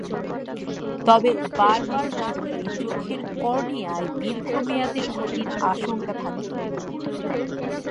তবে বারবার লাগলে চোখের কর্নিয়ায় দীর্ঘমেয়াদে ক্ষতির আশঙ্কা থাকে।